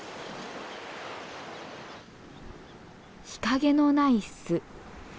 日陰のない巣。